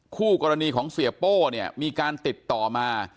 คู่กรณีของเสียโป้เนี่ยมีการติดต่อมา